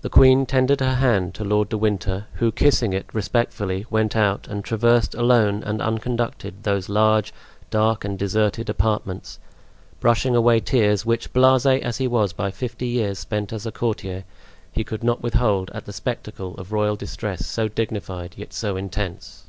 The queen tendered her hand to Lord de Winter, who, kissing it respectfully, went out and traversed alone and unconducted those large, dark and deserted apartments, brushing away tears which, blase as he was by fifty years spent as a courtier, he could not withhold at the spectacle of royal distress so dignified, yet so intense.